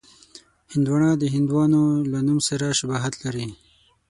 هندوانه د هندوانو له نوم سره شباهت لري.